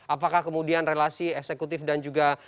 apakah kemudian relasi eksekutif dan juga